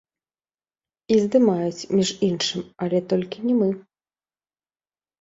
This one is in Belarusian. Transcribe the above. І здымаюць, між іншым, але толькі не мы.